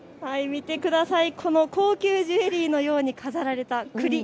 見てください、この高級ジュエリーのように飾られたくり。